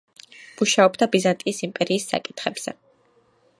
მუშაობდა ბიზანტიის იმპერიის საკითხებზე.